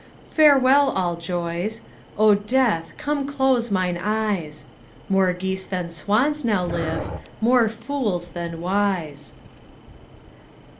Farewell, all joys; O Death, come close mine eyes; More geese than swans now live, more fools than wise.